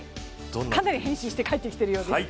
かなり変身して、帰ってきているようです。